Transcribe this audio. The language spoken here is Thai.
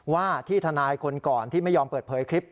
ว่าที่ทนายคนก่อนที่ไม่ยอมเปิดเผยคลิป